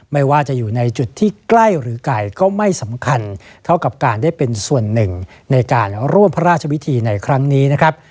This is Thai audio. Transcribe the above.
ไม่ว่าจะอยู่ในจุดที่ใกล้หรือไกลก็ไม่สำคัญเท่ากับการได้เป็นส่วนหนึ่งในการร่วมพระราชวิธีในครั้งนี้นะครับ